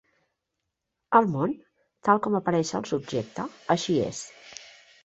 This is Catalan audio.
El món, tal com apareix al subjecte, així és.